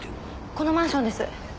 このマンションです。